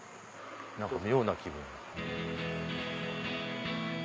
何か妙な気分。